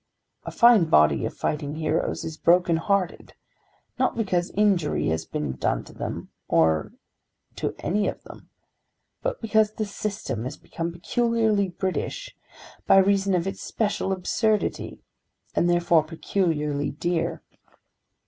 A fine body of fighting heroes is broken hearted, not because injury has been done to them or to any of them, but because the system had become peculiarly British by reason of its special absurdity, and therefore peculiarly dear."